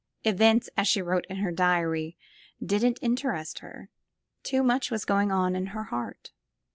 Events, as she wrote in her diary, didn't interest her; too much was going on in her heart.